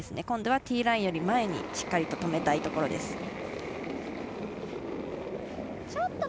今度はティーラインより前にしっかりと止めたいところです。